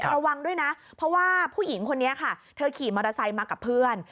ระวังด้วยนะเพราะว่าผู้หญิงคนนี้ค่ะเธอขี่มอเตอร์ไซค์มากับเพื่อน